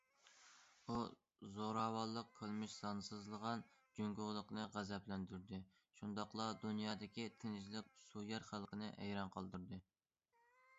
بۇ زوراۋانلىق قىلمىش سانسىزلىغان جۇڭگولۇقنى غەزەپلەندۈردى، شۇنداقلا دۇنيادىكى تىنچلىق سۆيەر خەلقنى ھەيران قالدۇردى.